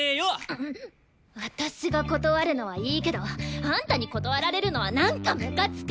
私が断るのはいいけどあんたに断られるのはなんかムカつく！